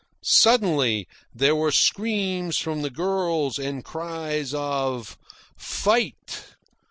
Suddenly there were screams from the girls and cries of "Fight!"